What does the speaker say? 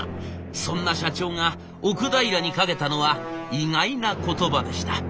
そんな社長が奥平にかけたのは意外な言葉でした。